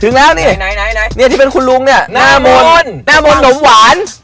ถึงแล้วนี่ไหนเนี่ยที่เป็นคุณลุงเนี่ยหน้ามนต์หน้ามนต์หนมหวาน